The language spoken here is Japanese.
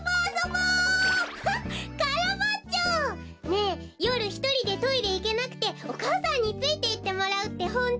ねえよるひとりでトイレいけなくておかあさんについていってもらうってホント？